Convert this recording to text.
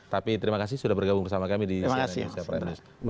tapi terima kasih sudah bergabung bersama kami di cnn indonesia prime news